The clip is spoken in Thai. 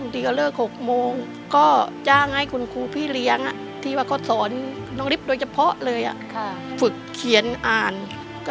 พิจแบบว่าเป็นประจำเดือนค่ะ